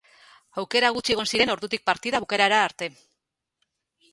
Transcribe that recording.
Aukera gutxi egon ziren ordutik partida bukaerara arte.